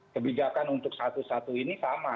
kebijakan untuk satu satu ini sama